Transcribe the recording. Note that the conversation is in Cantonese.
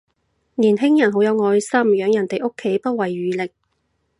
年輕人好有愛心，養人哋屋企不遺餘力